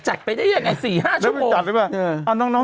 จัดไปได้ยังไงสี่ห้าชั่วโมงแล้วมันจัดหรือเปล่าอ่าน้องน้อง